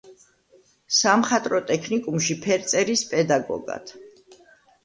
სამხატვრო ტექნიკუმში ფერწერის პედაგოგად.